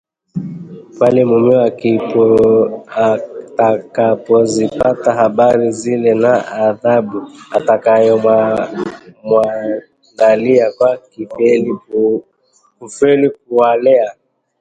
pale mumewe atakapozipata habari zile na adhabu atakayomwandalia kwa kufeli kuwalea